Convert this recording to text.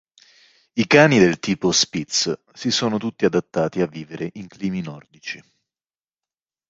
I cani del tipo spitz si sono tutti adattati a vivere in climi nordici.